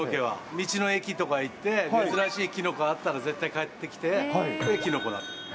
道の駅とか行って、珍しいキノコあったら、絶対買ってきて、キノコ鍋。